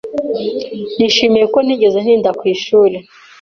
Nishimiye ko ntigeze ntinda ku ishuri.